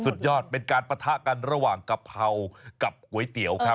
สุดยอดเป็นการปะทะกันระหว่างกะเพรากับก๋วยเตี๋ยวครับ